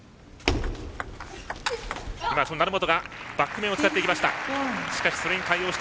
成本がバック目を使っていきました。